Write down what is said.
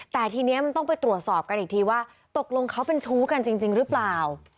แต่ทีนี้มันต้องไปตรวจสอบกันอีกทีว่าตกลงเขาเป็นชู้กันจริงหรือเปล่า